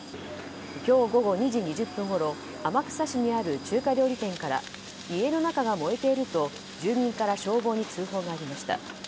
今日午後２時２０分ごろ天草市にある中華料理店から家の中が燃えていると住民から消防に通報がありました。